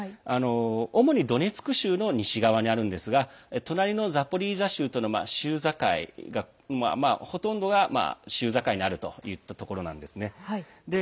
主にドネツク州の西側にあるんですが隣のザポリージャ州との州境、ほとんどが州境にあるということです。